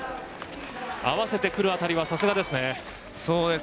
合わせてくる辺りはさすがですね。